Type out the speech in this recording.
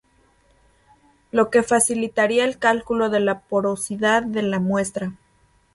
Lo que facilitaría el cálculo de la porosidad de la muestra.